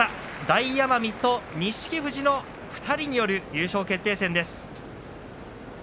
大奄美と錦富士の２人による優勝決定戦です。